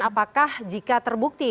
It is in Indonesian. apakah jika terbukti